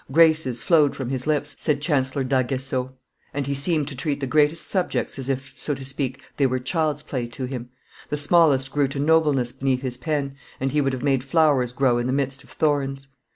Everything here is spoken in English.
"Graces flowed from his lips," said Chancellor d'Aguesseau, "and he seemed to treat the greatest subjects as if, so to speak, they were child's play to him; the smallest grew to nobleness beneath his pen, and he would have made flowers grow in the midst of thorns.